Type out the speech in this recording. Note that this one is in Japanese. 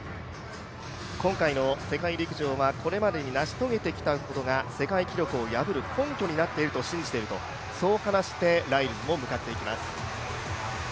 今回の世界陸上はこれまでに成し遂げてきたことが世界記録を破る根拠になっていると信じていると、そう話してライルズも向かっていきます。